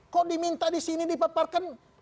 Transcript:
kok diminta disini di paparkan